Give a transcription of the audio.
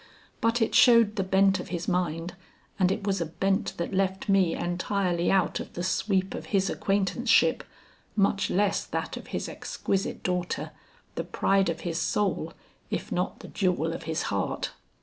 But it showed the bent of his mind and it was a bent that left me entirely out of the sweep of his acquaintanceship much less that of his exquisite daughter, the pride of his soul if not the jewel of his heart.